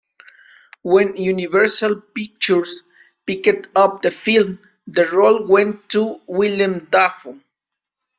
When Universal Pictures picked up the film, the role went to Willem Dafoe.